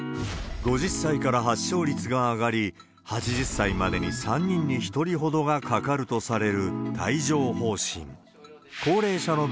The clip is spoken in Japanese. ５０歳から発症率が上がり、８０歳までに３人に１人ほどがかかるとされる帯状ほう疹。